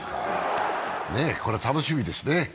これは楽しみですね。